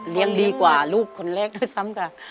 เลี้ยงดีกว่าลูกคนแรกด้วยซ้ำค่ะ